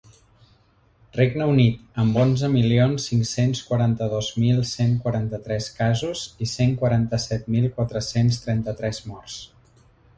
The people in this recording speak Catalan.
Regne Unit, amb onze milions cinc-cents quaranta-dos mil cent quaranta-tres casos i cent quaranta-set mil quatre-cents trenta-tres morts.